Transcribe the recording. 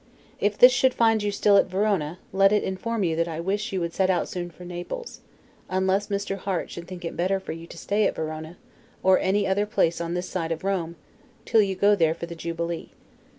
If this should find you still at Verona, let it inform you that I wish you would set out soon for Naples; unless Mr. Harte should think it better for you to stay at Verona, or any other place on this side Rome, till you go there for the Jubilee.